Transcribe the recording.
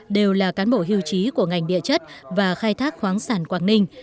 đều là cán bộ hưu trí của ngành địa chất và khai thác khoáng sản quảng ninh